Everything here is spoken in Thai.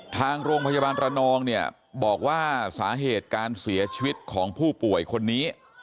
ทางโรงพยาบาลระนองเนี่ยบอกว่าสาเหตุการเสียชีวิตของผู้ป่วยคนนี้